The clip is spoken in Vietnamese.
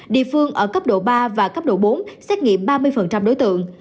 địa phương ở cấp độ ba và cấp độ bốn xét nghiệm ba mươi đối tượng